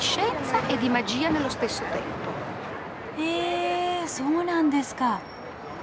へえそうなんですか。